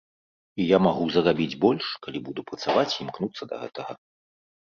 І я магу зарабіць больш, калі буду працаваць і імкнуцца да гэтага.